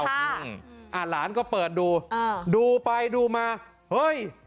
อ่าหลานก็เปิดดูอ่าดูไปดูมาเฮ้ย